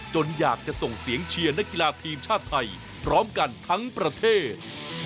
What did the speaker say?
อยากจะส่งเสียงเชียร์นักกีฬาทีมชาติไทยพร้อมกันทั้งประเทศ